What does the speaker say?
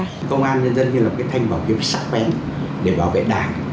công an nhân dân như là cái thanh bảo kiếp sắc vén để bảo vệ đảng